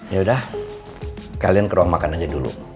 yaudah kalian ke ruang makan aja dulu